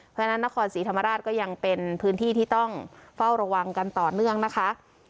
เพราะฉะนั้นนครศรีธรรมราชก็ยังเป็นพื้นที่ที่ต้องเฝ้าระวังกันต่อเนื่องนะคะ